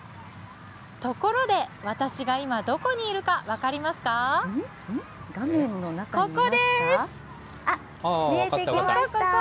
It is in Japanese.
ところで、私が今、どこにいるか画面の中にいますか？